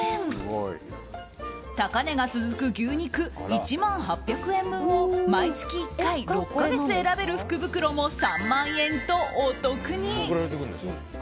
高値が続く牛肉１万８００円分を毎月１回６か月間選べる福袋も３万円とお得に。